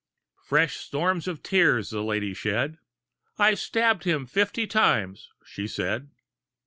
Fresh storms of tears the lady shed: "I stabbed him fifty times," she said.